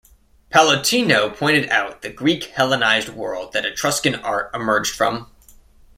Pallottino pointed out the Greek Hellenized world that Etruscan art emerged from.